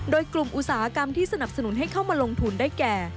โดยกลุ่มอุตสาหกรรมที่สนับสนุนให้เข้ามาลงทุนได้แก่